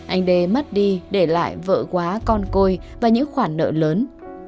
anh đê mất đi để lại vợ quá con côi và những khoản nợ lớn